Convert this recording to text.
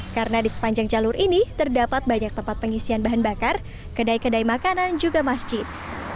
karena di sepanjang jalur ini terdapat banyak tempat pengisian bahan bakar kedai kedai makanan juga masjid